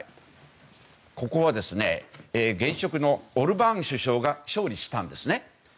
ここは現職のオルバーン首相が勝利したんですね。